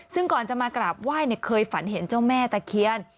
ซึ่งก่อนจะมากราบไหว้เคยฝันเห็นเจ้าแม่ตะเคียน